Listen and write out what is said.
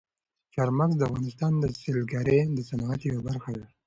چار مغز د افغانستان د سیلګرۍ د صنعت یوه برخه ده.